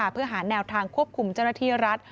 เพื่อหาแนวทางควบคุมเจ้าหน้าที่รัฐ